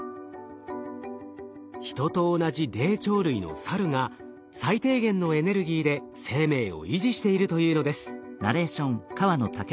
ヒトと同じ霊長類のサルが最低限のエネルギーで生命を維持しているというのです。